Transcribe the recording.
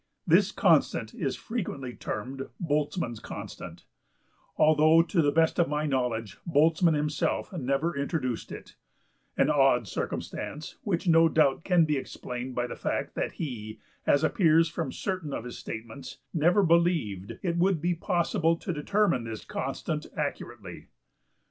This constant is frequently termed Boltzmann's constant, although to the best of my knowledge Boltzmann himself never introduced it (an odd circumstance, which no doubt can be explained by the fact that he, as appears from certain of his statements(18), never believed it would be possible to determine this constant accurately).